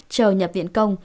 chờ nhập viện công